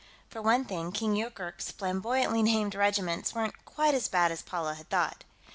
For one thing, King Yoorkerk's flamboyantly named regiments weren't quite as bad as Paula had thought.